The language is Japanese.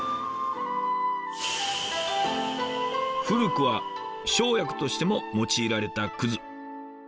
古くは生薬としても用いられたくず。